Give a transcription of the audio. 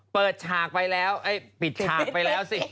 ปิดฉากไปแล้วสิ